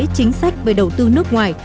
chính sách về đầu tư nước ngoài